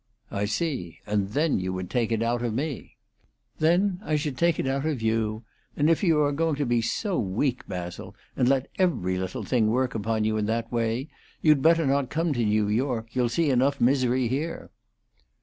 "I see. And then you would take it out of me." "Then I should take it out of you. And if you are going to be so weak, Basil, and let every little thing work upon you in that way, you'd better not come to New York. You'll see enough misery here."